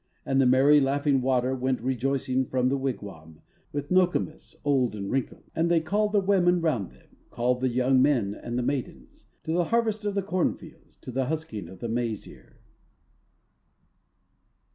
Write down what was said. And the merry Laughing Water Went rejoicing from the wigwam, With Nokomis, old and wrinkled, And they called the women round them, Called the young men and the maidens, To the harvest of the cornfields, To the husking of the maize ear.